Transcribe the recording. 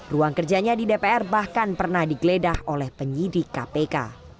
ruang kerjanya di dpr bahkan pernah digeledah oleh penyidik kpk